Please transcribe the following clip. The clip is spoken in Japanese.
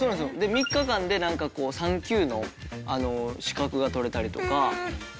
３日間で３級の資格が取れたりとか。